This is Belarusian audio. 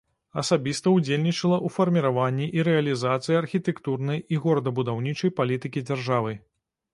Асабіста ўдзельнічала ў фарміраванні і рэалізацыі архітэктурнай і горадабудаўнічай палітыкі дзяржавы.